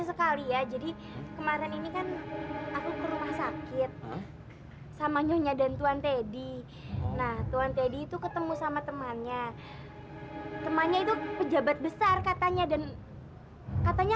sampai jumpa di video selanjutnya